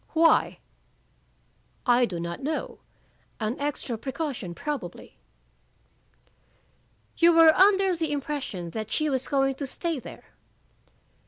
"Why?" "I do not know. An extra precaution probably." "You were under the impression that she was going to stay there?"